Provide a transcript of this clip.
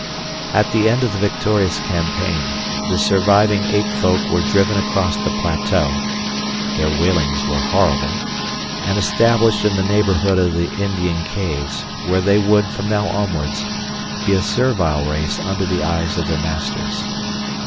At the end of the victorious campaign the surviving ape folk were driven across the plateau (their wailings were horrible) and established in the neighborhood of the Indian caves, where they would, from now onwards, be a servile race under the eyes of their masters.